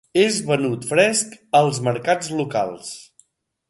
És venut fresc als mercats locals.